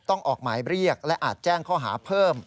ออกหมายเรียกและอาจแจ้งข้อหาเพิ่ม